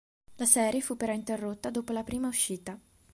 La serie fu però interrotta dopo la prima uscita.